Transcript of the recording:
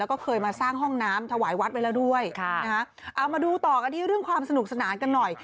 แล้วก็เคยมาสร้างห้องน้ำถวายวัดไว้แล้วด้วยเอามาดูต่อกันที่เรื่องความสนุกสนานกันหน่อย